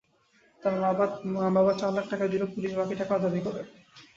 তার মা-বাবা চার লাখ টাকা দিলেও পুলিশ বাকি টাকাও দাবি করে।